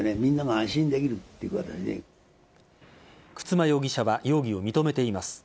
沓間容疑者は容疑を認めています。